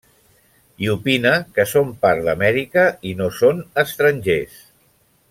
I opina que són part d'Amèrica, i no són estrangers.